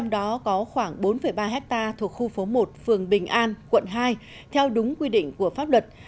đó có khoảng bốn ba hectare thuộc khu phố một phường bình an quận hai theo đúng quy định của pháp luật